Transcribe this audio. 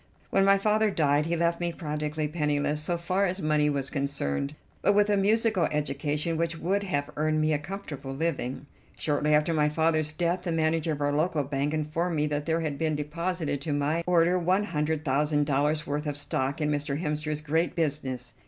When my father died he left me practically penniless so far as money was concerned, but with a musical education which would have earned me a comfortable living. Shortly after my father's death the manager of our local bank informed me that there had been deposited to my order one hundred thousand dollars' worth of stock in Mr. Hemster's great business.